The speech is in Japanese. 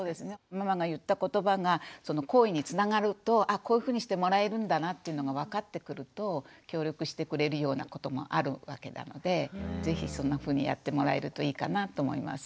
ママが言った言葉がその行為につながるとあこういうふうにしてもらえるんだなっていうのが分かってくると協力してくれるようなこともあるわけなので是非そんなふうにやってもらえるといいかなと思います。